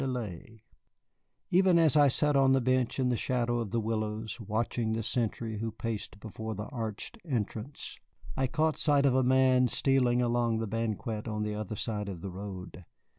Even as I sat on the bench in the shadow of the willows, watching the sentry who paced before the arched entrance, I caught sight of a man stealing along the banquette on the other side of the road.